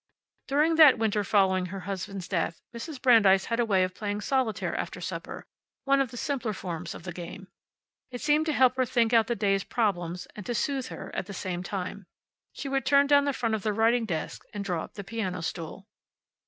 During that winter following her husband's death Mrs. Brandeis had a way of playing solitaire after supper; one of the simpler forms of the game. It seemed to help her to think out the day's problems, and to soothe her at the same time. She would turn down the front of the writing desk, and draw up the piano stool.